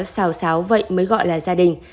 xào xáo vậy mới gọi là gia đình